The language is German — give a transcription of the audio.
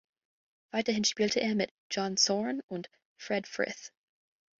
Weiterhin spielte er mit John Zorn und Fred Frith.